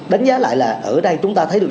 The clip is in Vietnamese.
đánh giá lại là ở đây chúng ta thấy được